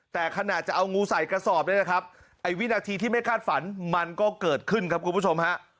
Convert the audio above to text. แต่ขณะจะเอางูใส่กระสอบเนี่ยนะครับไอ้วินาทีที่ไม่คาดฝันมันก็เกิดขึ้นครับคุณผู้ชมฮะ